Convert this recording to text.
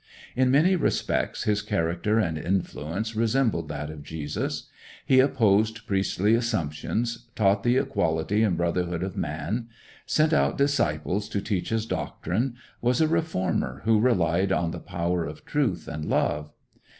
In many respects his character and influence resembled that of Jesus. He opposed priestly assumptions, taught the equality and brotherhood of man, sent out disciples to teach his doctrine, was a reformer who relied on the power of truth and love.